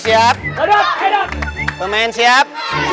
siap pemain siap